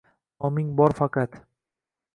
noming bor faqat